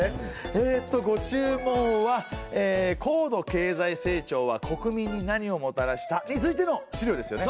えっとご注文は「高度経済成長は国民に何をもたらした？」についての資料ですよね。